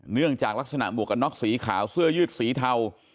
เนื่องจากลักษณะหมวกกันน็อกสีขาวเสื้อยืดสีเทา